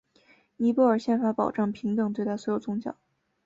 尼泊尔宪法保障平等对待所有宗教。